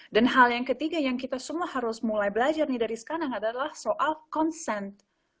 dan hal yang ketiga yang kita semua harus mulai belajar nih dari sekarang adalah soal consent